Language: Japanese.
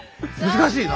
難しいな。